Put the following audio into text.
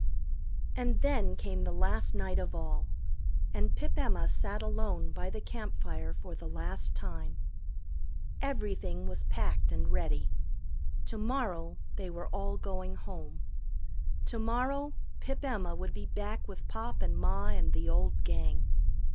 And then came the last night of all. And Pip Emma sat alone by the campfire for the last time. Everything was packed and ready. Tomorrow they were all going home. Tomorrow Pip Emma would be back with Pop and Ma and the old Gang.